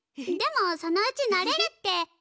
でもそのうちなれるって！